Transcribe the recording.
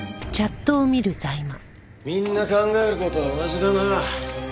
みんな考える事は同じだな。